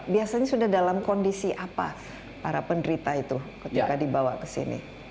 biasanya sudah dalam kondisi apa para penderita itu ketika dibawa ke sini